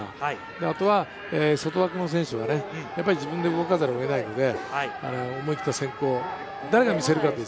あとは外枠の選手が自分で動かざるを得ないので、思い切った先行、誰が見せるか。